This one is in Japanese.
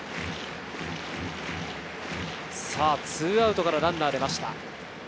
２アウトからランナーが出ました。